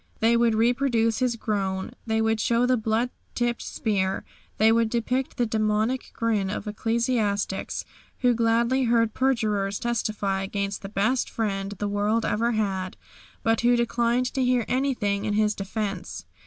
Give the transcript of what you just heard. They would reproduce His groan. They would show the blood tipped spear. They would depict the demoniac grin of ecclesiastics who gladly heard perjurers testify against the best Friend the world ever had, but who declined to hear anything in His defence.